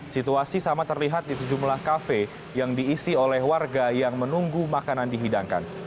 situasi sama terlihat di sejumlah kafe yang diisi oleh warga yang menunggu makanan dihidangkan